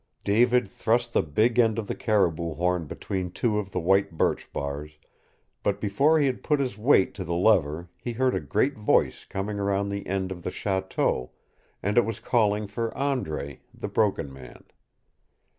David thrust the big end of the caribou horn between two of the white birch bars, but before he had put his weight to the lever he heard a great voice coming round the end of the chateau, and it was calling for Andre, the Broken Man.